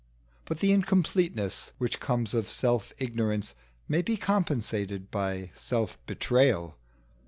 But the incompleteness which comes of self ignorance may be compensated by self betrayal.